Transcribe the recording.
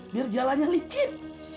biar jalannya licit